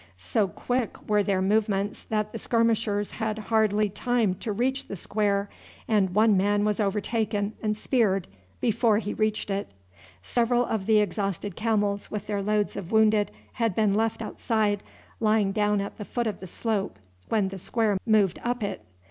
So quick were their movements that the skirmishers had hardly time to reach the square, and one man was overtaken and speared before he reached it. Several of the exhausted camels with their loads of wounded had been left outside, lying down at the foot of the slope when the square moved up it.